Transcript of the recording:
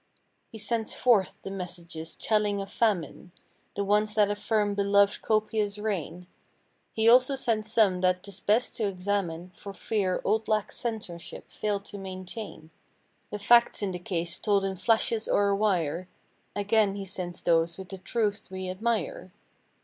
He sends forth the messages telling of famine; The ones that affirm beloved Copia's reign. He also sends some that 'tis best to examine For fear old lax censorship failed to maintain 187 The facts in the case told in flashes o'er wire— Again he sends those with the truth we admire.